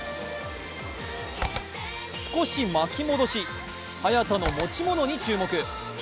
少し巻き戻し、早田の持ち物に注目。